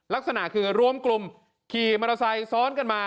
ลักษณะคือรวมกลุ่มขี่มอเตอร์ไซค์ซ้อนกันมา